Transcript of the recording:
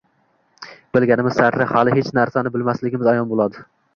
Bilganimiz sari hali hech narsani bilmasligimiz ayon bo‘ladi